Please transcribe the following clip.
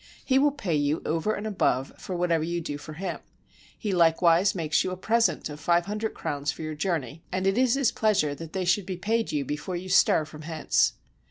He will pay you over and above for whatever you do for him : he likewise makes you a present of five hundred crowns for your journe} ; and it is his pleasure that they should be paid you before you stir from hence."